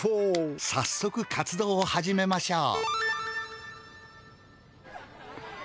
さっそく活動を始めましょう。